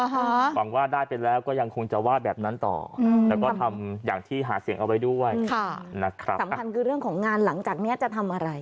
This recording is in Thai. หวังว่าได้เป็นแล้วก็ยังคงจะวาดแบบนั้นต่อสำคัญคือเรื่องของงานหลังจากนี้จะทำอะไร